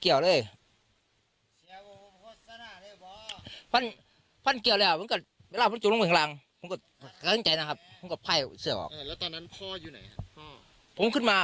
เสียชีวิตจากแห่งไม่เพิ่ม